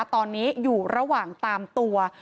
ตอนนี้อยู่ระหว่างตามตัว